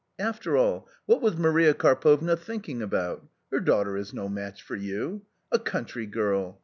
" After all, what was Maria Karpovna thinking about ? Her ) daughter is no match for you. A country girl